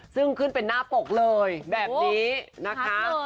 ซึ่งขึ้นเป็นหน้าปกเลยแบบนี้นะคะ